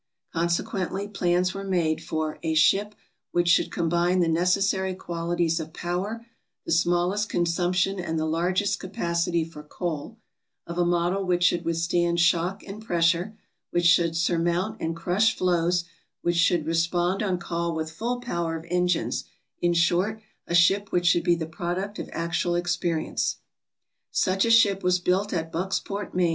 Consequently, plans were made for "a ship which should combine the necessary qualities of power, the smallest consumption and the largest capacity for coal, of a model which should withstand shock and pressure, which should surmount and crush floes, which should respond on call with full power of engines — in short, a ship which should be the product of actual experience." Such a ship was built at Bucksport, Me.